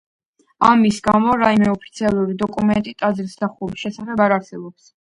ამის გამო რაიმე ოფიციალურ დოკუმენტი ტაძრის დახურვის შესახებ არ არსებობს.